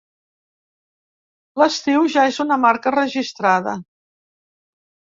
L'estiu ja és una marca registrada.